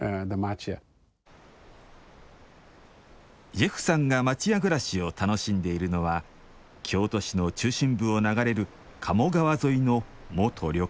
ジェフさんが町家暮らしを楽しんでいるのは京都市の中心部を流れる鴨川沿いの元旅館です